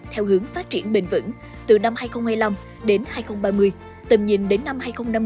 theo hướng phát triển bền vững từ năm hai nghìn hai mươi năm đến hai nghìn ba mươi tầm nhìn đến năm hai nghìn năm mươi